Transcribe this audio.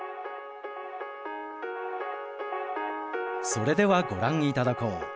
それではご覧頂こう。